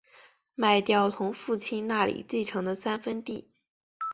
卖掉从父亲那里继承的三分地